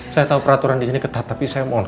saya tahu peraturan di sini ketat tapi saya mohon